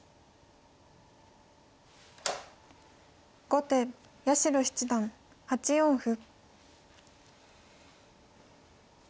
後手八代七段８四歩。